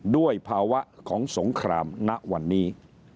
ด้วยภาวะของสงครามณวันนี้